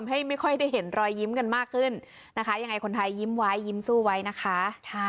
ไม่ค่อยได้เห็นรอยยิ้มกันมากขึ้นนะคะยังไงคนไทยยิ้มไว้ยิ้มสู้ไว้นะคะ